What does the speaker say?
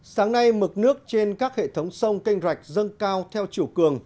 sáng nay mực nước trên các hệ thống sông canh rạch dân cao theo chủ cường